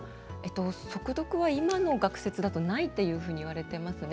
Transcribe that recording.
速読は今の学説だとないと言われていますね。